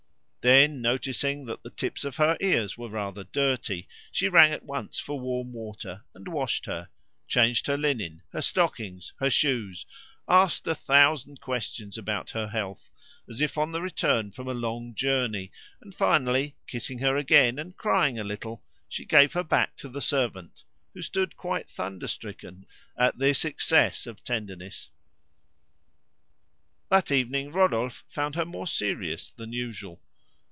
Then noticing that the tips of her ears were rather dirty, she rang at once for warm water, and washed her, changed her linen, her stockings, her shoes, asked a thousand questions about her health, as if on the return from a long journey, and finally, kissing her again and crying a little, she gave her back to the servant, who stood quite thunderstricken at this excess of tenderness. That evening Rodolphe found her more serious than usual.